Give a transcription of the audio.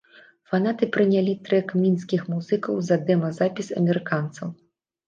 Фанаты прынялі трэк мінскіх музыкаў за дэма-запіс амерыканцаў.